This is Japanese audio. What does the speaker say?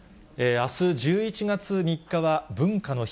あす１１月３日は文化の日。